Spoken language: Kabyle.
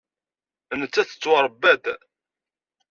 Nettat tettwaṛebba-d.